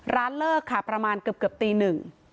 ร้านเลิกค่ะประมาณเกือบตีหนึ่ง